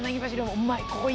うまい！